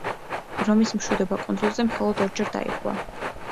რომის მშვიდობა კუნძულზე მხოლოდ ორჯერ დაირღვა.